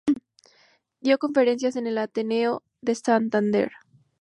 Dio conferencias en el Ateneo de Santander.